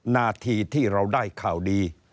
นาทีที่เราได้ข่าวดี